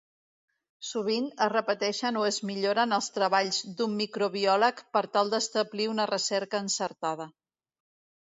Sovint es repeteixen o es milloren els treballs d'un microbiòleg per tal d'establir una recerca encertada.